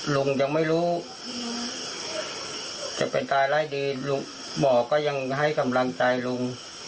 ลุงยังไม่รู้จะเป็นตายร้ายดีลุงหมอก็ยังให้กำลังใจลุง